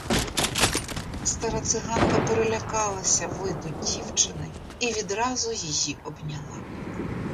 Стара циганка перелякалася виду дівчини і відразу її обняла.